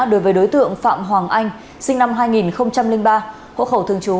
đối với đối tượng phạm hoàng anh sinh năm hai nghìn ba hộ khẩu thường trú